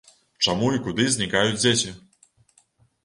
Чаму і куды знікаюць дзеці?